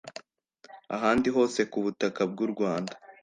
ahandi hose ku butaka bw u rwanda